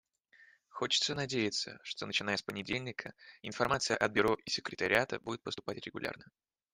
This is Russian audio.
Хочется надеяться, что начиная с понедельника информация от Бюро и секретариата будет поступать регулярно.